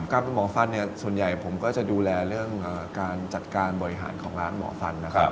หมอฟันเนี่ยส่วนใหญ่ผมก็จะดูแลเรื่องการจัดการบริหารของร้านหมอฟันนะครับ